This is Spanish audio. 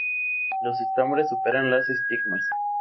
Los estambres superan las estigmas.